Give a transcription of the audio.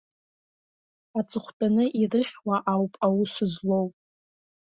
Аҵыхәтәаны ирыхьуа ауп аус злоу.